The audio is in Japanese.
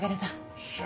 よっしゃ。